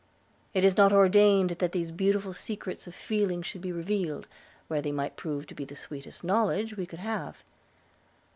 It is not ordained that these beautiful secrets of feeling should be revealed, where they might prove to be the sweetest knowledge we could have.